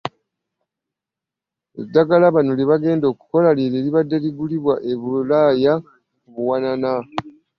Eddagala bano lye bagenda okukola ly'eryo eribadde ligulibwa e Bulaaya ku buwanana